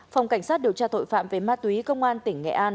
phòng cảnh sát điều tra tội phạm về ma túy công an tỉnh nghệ an